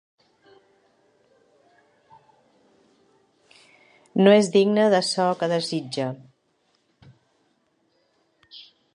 No és digne de ço que desitja.